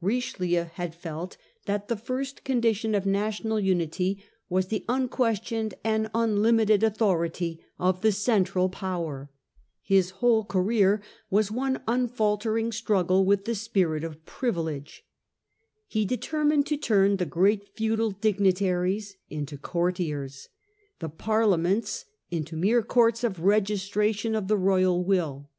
Richelieu had felt that the first condition Richelieu °f national unity was the unquestioned nnd determines unlimited authority of the central power. His to make the .. r ,,., monarchy whole career was one unfaltering struggle with supreme. t h e S pi r j t 0 f privilege. He determined to turn the great feudal dignitaries into courtiers, the Parlements into mere courts of registration of the royal will.